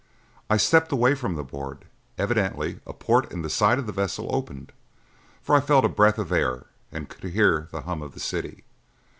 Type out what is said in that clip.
I stepped away from the board; evidently a port in the side of the vessel opened, for I felt a breath of air and could hear the hum of the city.